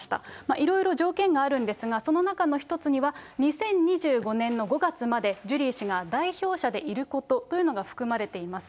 いろいろ条件があるんですが、その中の一つには、２０２５年の５月までジュリー氏が代表者でいることというのが含まれています。